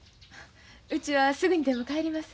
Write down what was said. うちはすぐにでも帰ります。